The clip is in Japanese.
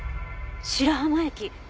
白浜駅。